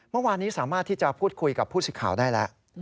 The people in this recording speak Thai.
เมื่อวานนี้สามารถที่จะพูดคุยกับผู้สิทธิ์ข่าวได้แล้ว